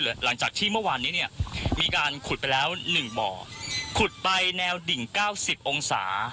หลังจากที่เมื่อวานนี้เนี่ยมีการขุดไปแล้ว๑บ่อขุดไปแนวดิ่งเก้าสิบองศา